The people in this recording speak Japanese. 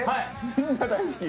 みんな大好き。